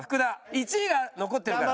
１位が残ってるから。